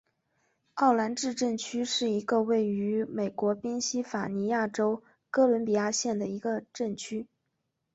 奥兰治镇区是一个位于美国宾夕法尼亚州哥伦比亚县的一个镇区。